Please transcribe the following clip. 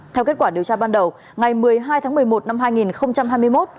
theo kết quả điều tra ban đầu ngày một mươi hai tháng một mươi một năm hai nghìn hai mươi một